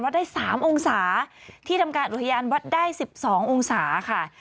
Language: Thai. ได้๓องศาที่ทำการอุทยานวัดได้๑๒องศาค่ะ